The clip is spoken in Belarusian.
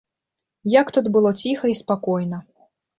Як тут было ціха і спакойна!